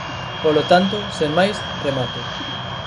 Polo tanto, sen máis, remato.